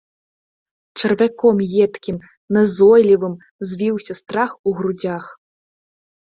Чарвяком едкім, назойлівым звіўся страх у грудзях.